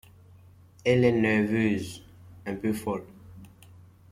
Elle est nerveuse, un peu folle.